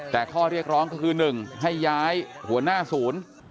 แต่ข้อเรียกร้องก็คือ๑ให้ย้ายหัวหน้าศูนย์